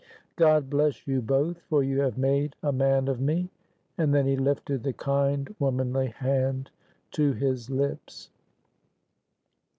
God bless you both, for you have made a man of me." And then he lifted the kind, womanly hand to his lips.